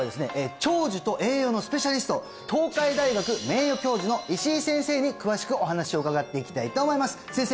長寿と栄養のスペシャリスト東海大学名誉教授の石井先生に詳しくお話を伺っていきたいと思います先生